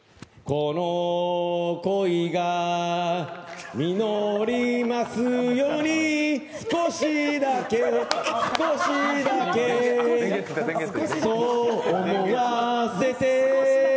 この恋が実りますよに少しだけ少しだけそう思わせて。